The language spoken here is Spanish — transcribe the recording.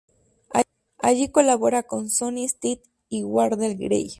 Allí colabora con Sonny Stitt y Wardell Gray.